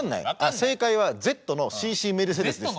正解はＺのＣ．Ｃ．メルセデスです。